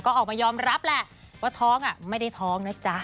ก็ออกมายอมรับแหละว่าท้องไม่ได้ท้องนะจ๊ะ